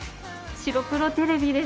白黒テレビです。